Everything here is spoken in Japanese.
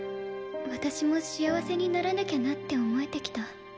私も幸せにならなきゃなって思えてきた